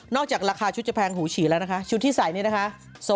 จากราคาชุดจะแพงหูฉี่แล้วนะคะชุดที่ใส่นี่นะคะ